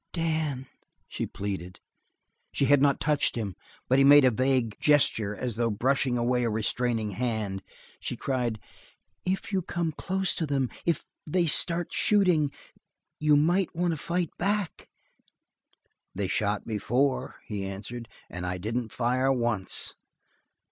"Dan!" she pleaded. She had not touched him, but he made a vague gesture as though brushing away a restraining hand. She cried: "If you come close to them if, they start shooting you might want to fight back " "They shot before," he answered, "and I didn't fire once."